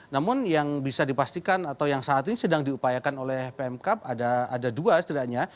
namun yang bisa dipastikan atau yang saat ini sedang diupayakan oleh pmk ada dua setidaknya